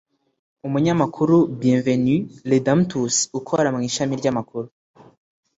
umunyamakuru Bienvenu Redamptus ukora mu ishami ry’amakuru